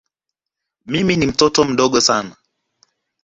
Mimi ni mtoto mdogo sana.